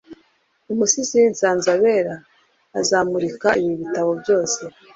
umusizi nsanzabera azamurika ibi bitabo byose